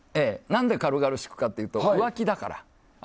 何で軽々しくというと浮気だから。